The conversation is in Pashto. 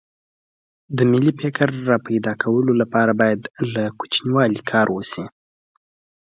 د ملي فکر راپیدا کولو لپاره باید له کوچنیوالي کار وشي